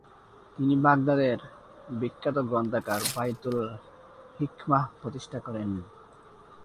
তিনি বাগদাদের বিখ্যাত গ্রন্থাগার বাইতুল হিকমাহ প্রতিষ্ঠা করেন।